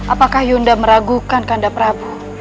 apakah yunda meragukan kanda prabu